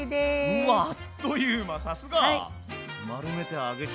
うわあっという間さすが！